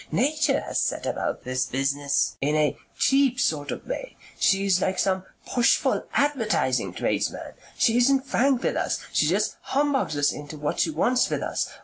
Nature has set about this business in a CHEAP sort of way. She is like some pushful advertising tradesman. She isn't frank with us; she just humbugs us into what she wants with us.